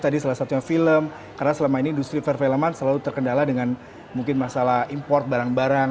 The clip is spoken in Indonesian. tadi salah satunya film karena selama ini industri perfilman selalu terkendala dengan mungkin masalah import barang barang